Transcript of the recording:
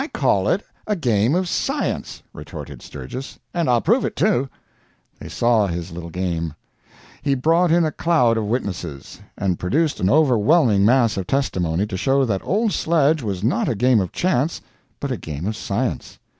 "I call it a game of science!" retorted Sturgis; "and I'll prove it, too!" They saw his little game. He brought in a cloud of witnesses, and produced an overwhelming mass of testimony, to show that old sledge was not a game of chance but a game of science.